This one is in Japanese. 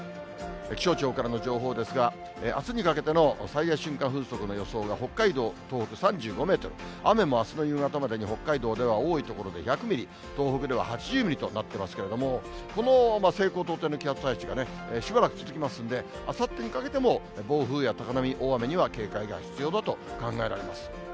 気象庁からの情報ですが、あすにかけての最大瞬間風速の予想が、北海道、東北３５メートル、雨もあすの夕方までに北海道では多い所で１００ミリ、東北では８０ミリとなってますけれども、この西高東低の気圧配置がね、しばらく続きますんで、あさってにかけても暴風や高波、大雨には警戒が必要だと考えられます。